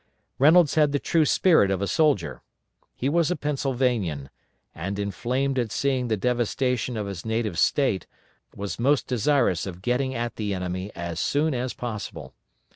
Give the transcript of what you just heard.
Reynolds had the true spirit of a soldier. He was a Pennsylvanian, and, inflamed at seeing the devastation of his native State, was most desirous of getting at the enemy as soon as possible.